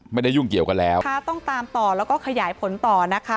ไม่ได้ยุ่งเกี่ยวกันแล้วค่ะต้องตามต่อแล้วก็ขยายผลต่อนะคะ